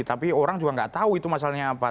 tapi orang juga nggak tahu itu masalahnya apa